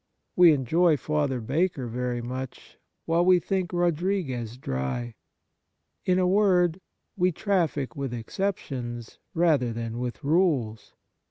We enjoy Father Baker very much while we think Rodriguez dry. In a word, we traffic with exceptions rather than with rules.